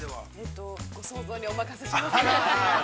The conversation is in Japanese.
◆ご想像にお任せします。